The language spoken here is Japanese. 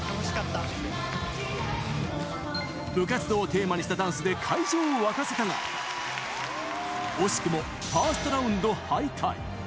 部活動をテーマにしたダンスで、会場を沸かせたが、惜しくもファーストラウンド敗退。